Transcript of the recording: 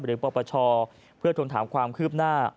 หรือประชาเพื่อถูกถามความคืบหน้า